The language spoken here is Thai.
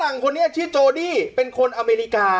คนนี้ชื่อโจดี้เป็นคนอเมริกา